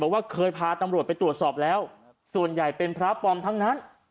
ว่าเคยพาตำรวจไปตรวจสอบแล้วส่วนใหญ่เป็นพระปลอมทั้งนั้น